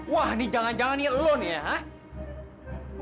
wah ini jangan jangan niat lo nih ha